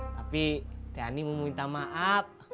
tapi teh ani mau minta maaf